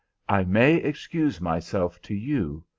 I may excuse myself to you.